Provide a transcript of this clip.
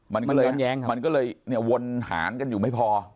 มันก็เลยวนหางกันอยู่ไม่พอ